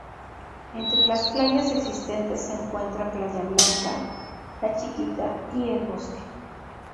Entre las playas existentes se encuentra playa Blanca, La Chiquita y El Bosque.